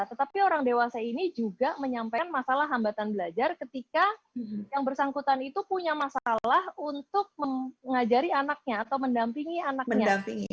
tetapi orang dewasa ini juga menyampaikan masalah hambatan belajar ketika yang bersangkutan itu punya masalah untuk mengajari anaknya atau mendampingi anaknya